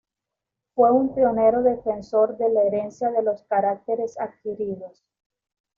Fue un pionero defensor de la herencia de los caracteres adquiridos.